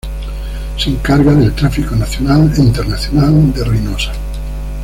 Se encarga del tráfico nacional e internacional de Reynosa.